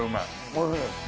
おいしい。